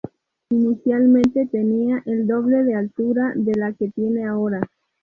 Inicialmente tenía el doble de altura de la que tiene ahora.